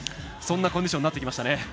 そんなコンディションになってきましたね。